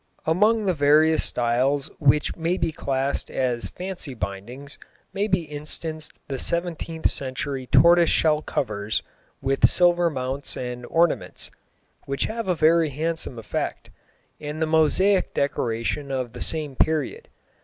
Among the various styles which may be classed as fancy bindings may be instanced the seventeenth century tortoise shell covers with silver mounts and ornaments, which have a very handsome effect, and the mosaic decoration of the same period.